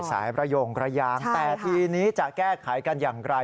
ประโยงระยางแต่ทีนี้จะแก้ไขกันอย่างไร